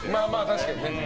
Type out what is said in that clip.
確かにね。